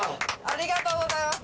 ありがとうございます。